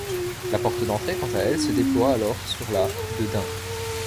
La porte d'entrée, quant à elle, se déploie alors sur la de Dun.